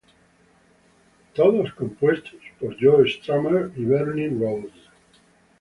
Todos compuestos por Joe Strummer y Bernie Rhodes.